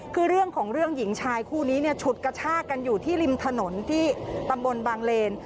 คือเรื่องของเรื่องหญิงชายคู่นี้เนี่ยฉุดกระชากันอยู่ที่ริมถนนที่ตำบลบางเลน